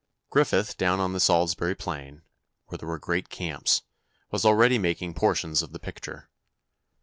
Griffith down on the Salisbury plain, where there were great camps, was already making portions of the picture.